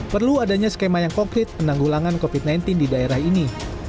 perlu adanya skema yang konkret penanggulangan covid sembilan belas di daerah ini